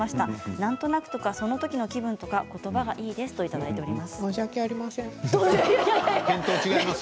なんとなくとか、そのときの気分とかことばがいいですといただきました。